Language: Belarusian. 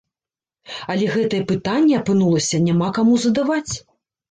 Але гэтыя пытанні, апынулася, няма каму задаваць!